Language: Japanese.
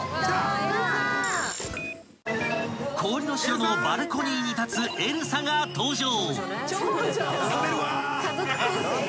［氷の城のバルコニーに立つエルサが登場］